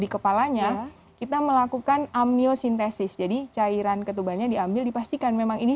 di kepalanya kita melakukan amniosintesis jadi cairan ketubannya diambil dipastikan memang ini